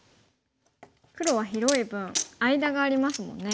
黒は広い分間がありますもんね。